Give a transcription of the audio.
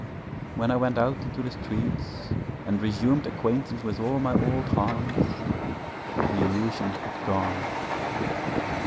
When I went out into the streets and resumed acquaintance with all my old haunts, the illusion had gone.